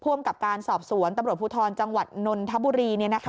ผู้กำกับการสอบสวนตำรวจภูทลฯจนนทบุรี